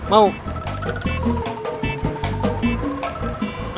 jangan lupa baca